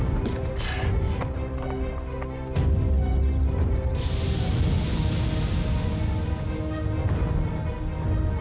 nanti aku akan datang